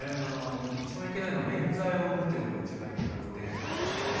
一番いけないのはえん罪を生むというのが一番いけなくて。